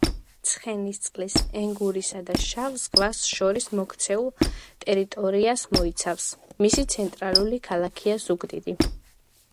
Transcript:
ცხენისწყალს, ენგურსა და შავ ზღვას შორის მოქცეულ ტერიტორიას მოიცავს. მისი ცენტრალური ქალაქია ზუგდიდი.